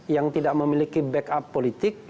yang tidak memiliki backup politik